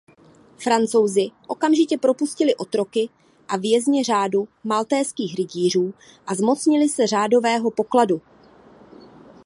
Francouzi okamžitě propustili otroky a vězně řádu maltézských rytířů a zmocnili se řádového pokladu.